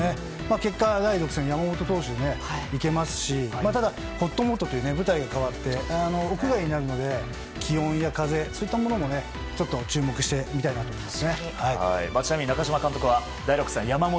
結果、第６戦は山本投手でいけますしただ、ほっともっとという舞台が変わって屋外になるので気温や風といったものも注目して見たいなと思います。